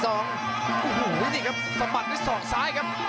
โอ้โหนี่ครับสะบัดด้วยศอกซ้ายครับ